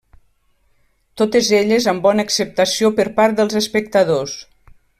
Totes elles amb bona acceptació per part dels espectadors.